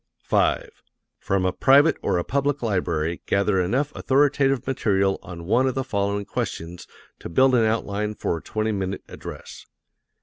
5. From a private or a public library gather enough authoritative material on one of the following questions to build an outline for a twenty minute address.